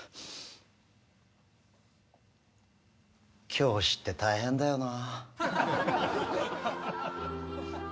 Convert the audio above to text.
教師って大変だよな。